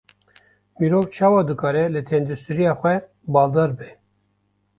Mirov çawa dikare li tenduristiya xwe baldar be?